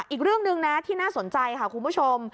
อีกเรื่องหนึ่งนะที่น่าสนใจค่ะคุณผู้ชม